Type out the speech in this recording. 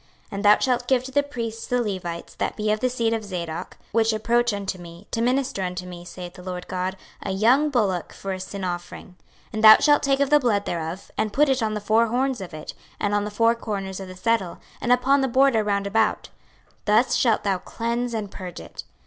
26:043:019 And thou shalt give to the priests the Levites that be of the seed of Zadok, which approach unto me, to minister unto me, saith the Lord GOD, a young bullock for a sin offering. 26:043:020 And thou shalt take of the blood thereof, and put it on the four horns of it, and on the four corners of the settle, and upon the border round about: thus shalt thou cleanse and purge it.